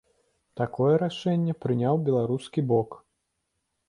Такое рашэнне прыняў беларускі бок.